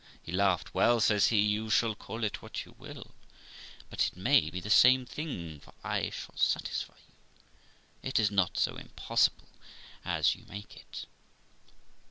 He laughed. 'Well', says he, 'you shall call it what you will, but it may be the same thing, for I shall satisfy you it is not so impossible as you make it.'